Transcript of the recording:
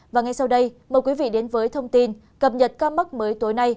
và ngay sau đây mời quý vị đến với thông tin cập nhật ca mắc mới tối nay